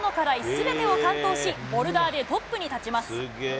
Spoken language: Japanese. すべてを完登し、ボルダーでトップに立ちます。